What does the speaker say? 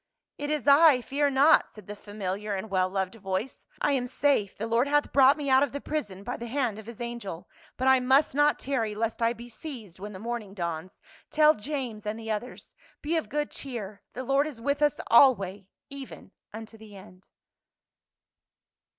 " It is I, fear not," said the famiHar and well loved voice. " I am safe ; the Lord hath brought me out of the prison by the hand of his angel. But I must not tarry lest I be seized when the morning dawns. Tell James* and the others. Be of good cheer ; the Lord is with us alway, even unto the end."